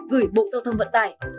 gửi bộ giao thông vận tải